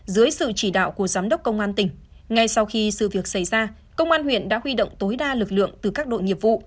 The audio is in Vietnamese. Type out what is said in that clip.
dưới sự chỉ đạo của giám đốc công an tỉnh ngay sau khi sự việc xảy ra công an huyện đã huy động tối đa lực lượng từ các đội nghiệp vụ